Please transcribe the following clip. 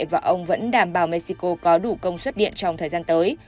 và ông vẫn đảm bảo mexico có đủ công suất điện trong thời gian tới